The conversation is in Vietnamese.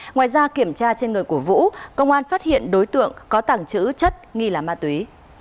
ngoài ra kiểm tra trên người của vũ công an phát hiện đối tượng có tàng trữ chất nghi là ma túy